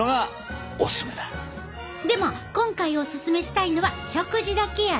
でも今回オススメしたいのは食事だけや